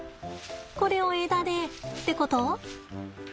これを枝でってこと？